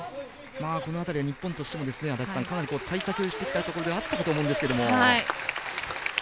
ここは日本としてもかなり対策してきたところではあったと思うんですが。